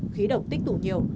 khí động tích tủ nhiều